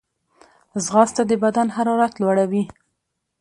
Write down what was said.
ځغاسته د بدن حرارت لوړوي